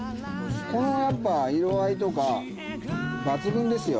このやっぱ色合いとか抜群ですよ